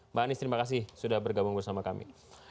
mbak anies terima kasih sudah bergabung bersama kami